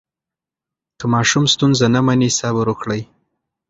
که ماشوم ستونزه نه مني، صبر وکړئ.